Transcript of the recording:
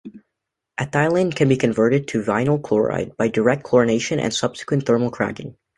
Ethylene can be converted to vinyl chloride by direct chlorination and subsequent thermal cracking.